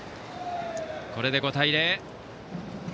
これで５対０。